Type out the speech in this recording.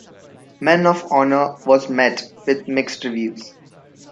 "Men of Honor" was met with mixed reviews.